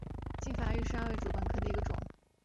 梵净山玉山竹为禾本科玉山竹属下的一个种。